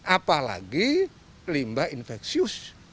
apalagi limbah infeksius